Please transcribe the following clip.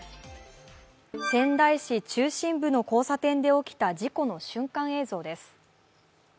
仙台市中心部の交差点で起きた事故の瞬間映像です。